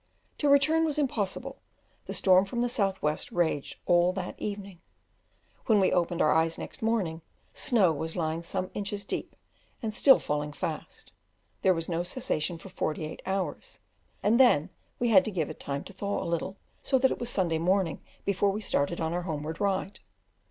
To return was impossible, the storm from the S.W. raged all that evening. When we opened our eyes next morning, snow was lying some inches deep, and still falling fast; there was no cessation for forty eight hours, and then we had to give it time to thaw a little, so that it was Sunday morning before we started on our homeward ride.